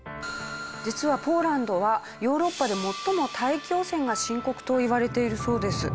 実はポーランドはヨーロッパで最も大気汚染が深刻といわれているそうです。